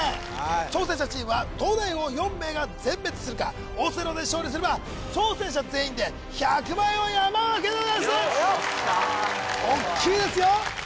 挑戦者チームは東大王４名が全滅するかオセロで勝利すれば挑戦者全員で１００万円を山分けでございますおっきいですよ